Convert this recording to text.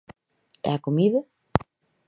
E a comida?